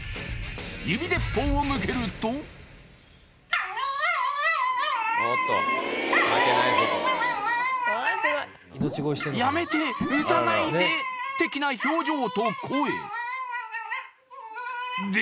指鉄砲を向けると「やめて」「撃たないで」的な表情と声で・